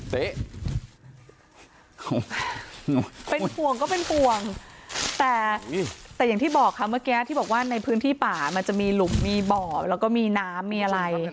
เป็นห่วงก็เป็นห่วงแต่อย่างที่บอกค่ะเมื่อกี้ที่บอกว่าในพื้นที่ป่ามันจะมีหลุมมีบ่อแล้วก็มีน้ำมีอะไร